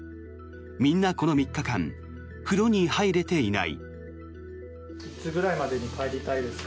みんな、この３日間風呂に入れていない。